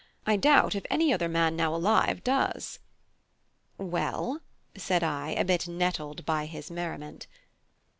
I doubt if any other man now alive does." "Well?" said I, a little bit nettled by his merriment.